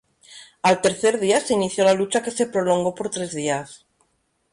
Al tercer día se inició la lucha que se prolongó por tres días.